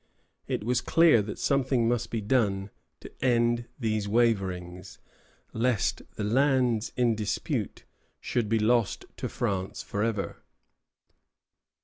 It was clear that something must be done to end these waverings, lest the lands in dispute should be lost to France forever.